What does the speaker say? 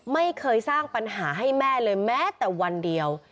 ไม่เคยสร้างปัญหาให้แม่เลยแม้แต่วันเดียว